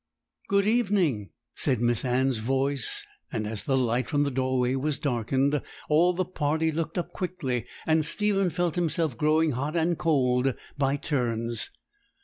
'Good evening,' said Miss Anne's voice, and as the light from the doorway was darkened, all the party looked up quickly, and Stephen felt himself growing hot and cold by turns.